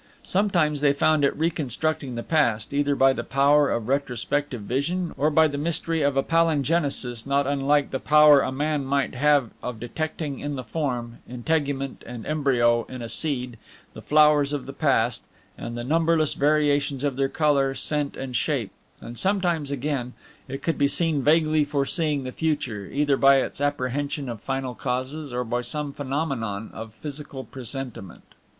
Sometimes they found it reconstructing the past, either by the power of retrospective vision, or by the mystery of a palingenesis not unlike the power a man might have of detecting in the form, integument, and embryo in a seed, the flowers of the past, and the numberless variations of their color, scent, and shape; and sometimes, again, it could be seen vaguely foreseeing the future, either by its apprehension of final causes, or by some phenomenon of physical presentiment.